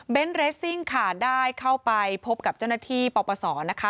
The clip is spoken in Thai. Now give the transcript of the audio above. เรสซิ่งค่ะได้เข้าไปพบกับเจ้าหน้าที่ปปศนะคะ